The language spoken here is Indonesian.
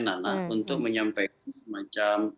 nana untuk menyampaikan semacam